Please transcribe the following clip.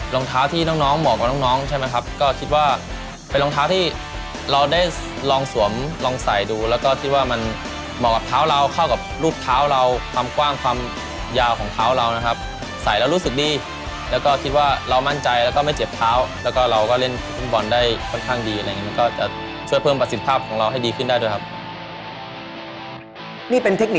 รองเท้าที่น้องเหมาะกับน้องใช่ไหมครับก็คิดว่าเป็นรองเท้าที่เราได้ลองสวมลองใส่ดูแล้วก็คิดว่ามันเหมาะกับเท้าเราเข้ากับรูปเท้าเราความกว้างความยาวของเท้าเรานะครับใส่แล้วรู้สึกดีแล้วก็คิดว่าเรามั่นใจแล้วก็ไม่เจ็บเท้าแล้วก็เราก็เล่นฟุตบอลได้ค่อนข้างดีอะไรอย่างเงี้มันก็จะช่วยเพิ่มประสิทธิภาพของเราให้ดีขึ้นได้ด้วยครับ